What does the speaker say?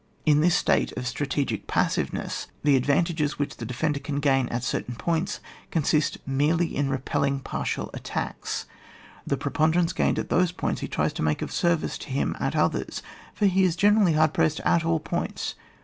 In this state of strategic passiveness, the advan tages which the defender can gain at certain points consist in merely repelling partial attacks ; the preponderance gained at those points he tries to make of service to him at others, for he is generally hard pressed at all points.